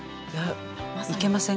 いけません？